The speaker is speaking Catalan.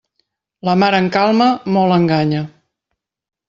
La mar en calma molt enganya.